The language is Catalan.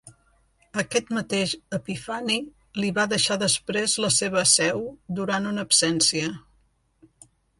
Aquest mateix Epifani li va deixar després la seva seu durant una absència.